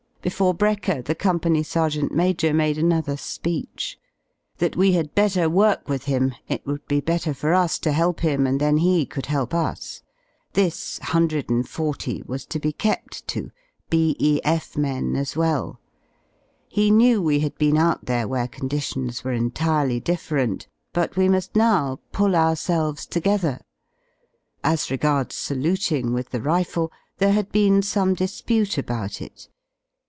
Before brekker the Company Sergeant Major made another speech : That we had better work tvtth him, it would be better for us to help him and then he could help us. This 140 was to be kept to — B.E.F. men as well. He knew we had been out there where conditions were entirely differ enty but we muSl now pull ourselves together. As regards saluting with \ the rifle y there had been some dispute about it.